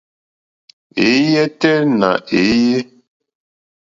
Èéyɛ́ tɛ́ nà èéyé.